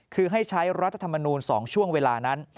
คือให้ใช้รัฐธรรมนูล๒ช่วงเวลานั้น